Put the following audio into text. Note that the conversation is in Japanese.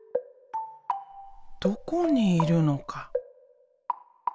どこにいるのか。